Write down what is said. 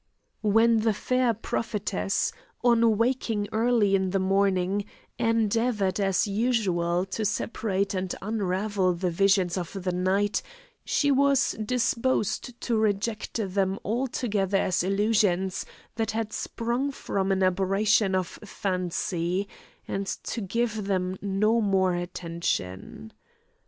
When the fair prophetess, on waking early in the morning, endeavoured as usual to separate and unravel the visions of the night, she was disposed to reject them altogether as illusions that had sprung from an aberration of fancy, and to give them no more attention.